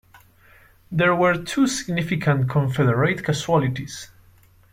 There were two significant Confederate casualties.